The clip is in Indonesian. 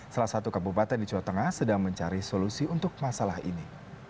salah satu kabupaten di jawa tengah sedang mencari solusi untuk masalah ini